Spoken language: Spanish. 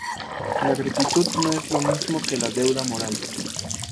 La gratitud no es lo mismo que la deuda moral.